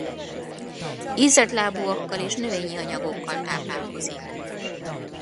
Ízeltlábúakkal és növényi anyagokkal táplálkozik.